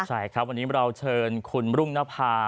ใช่ครับวันนี้เราเชิญคุณรุ่งนภา